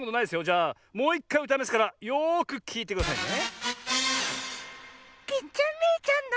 じゃあもういっかいうたいますからよくきいてくださいね。